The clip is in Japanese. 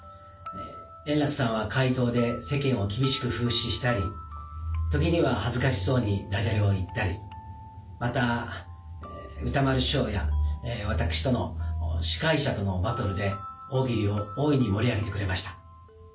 円楽さんは回答で世間を厳しく風刺したり、時には恥ずかしそうにだじゃれを言ったり、また歌丸師匠や私との司会者とのバトルで大喜利を大いに盛り上げてくれました。